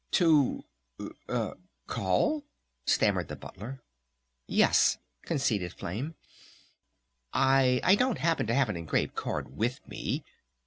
"To call?" stammered the Butler. "Yes," conceded Flame. "I I don't happen to have an engraved card with me."